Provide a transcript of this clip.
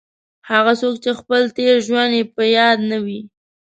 هغه څوک چې خپل تېر ژوند یې په یاد نه وي.